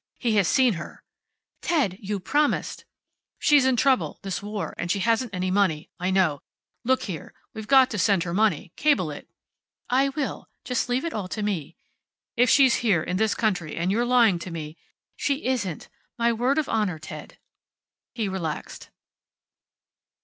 "He has seen her." "Ted! You promised." "She's in trouble. This war. And she hasn't any money. I know. Look here. We've got to send her money. Cable it." "I will. Just leave it all to me." "If she's here, in this country, and you're lying to me " "She isn't. My word of honor, Ted." He relaxed.